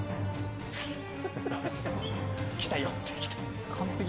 ・来た寄ってきた。